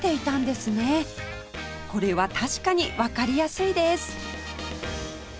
これは確かにわかりやすいです